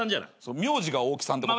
名字が「オオキさん」ってこと？